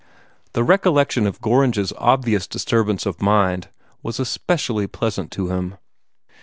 The recollection of Gorringe's obvious disturbance of mind was especially pleasant to him.